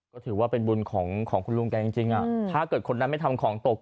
ก็ถือว่าเป็นบุญของคุณลุงแกจริงถ้าเกิดคนนั้นไม่ทำของตก